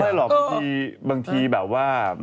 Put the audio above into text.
หรอกบางทีแบบว่า